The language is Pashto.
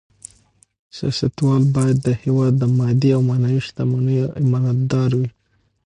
سیاستوال باید د هېواد د مادي او معنوي شتمنیو امانتدار اوسي.